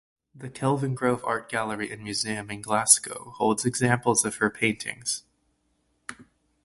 The Kelvingrove Art Gallery and Museum in Glasgow holds examples of her paintings.